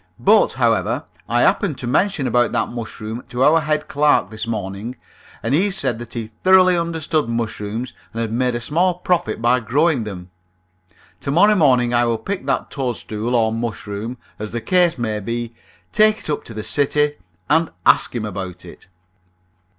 But, however, I happened to mention about that mushroom to our head clerk this morning, and he said that he thoroughly understood mushrooms, and had made a small profit by growing them. To morrow morning I will pick that toadstool or mushroom, as the case may be, take it up to the city, and ask him about it."